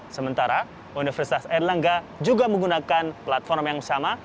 sementara universitas erlangga juga menggunakan platform yang sama